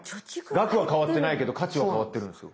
額は変わってないけど価値は変わってるんですよ。